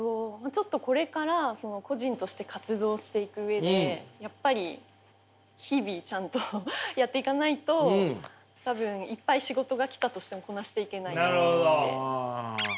ちょっとこれから個人として活動をしていく上でやっぱり日々ちゃんとやっていかないと多分いっぱい仕事が来たとしてもこなしていけないと思って。